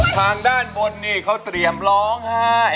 ทางด้านบนนี่เขาเตรียมร้องไห้